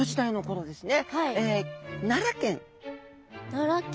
奈良県。